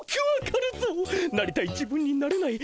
なりたい自分になれない